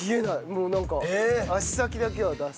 もうなんか足先だけは出す。